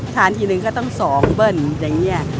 ทานทีนึงก็ต้อง๒เบิ้ล